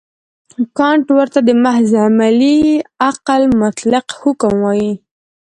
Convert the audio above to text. کانټ ورته د محض عملي عقل مطلق حکم وايي.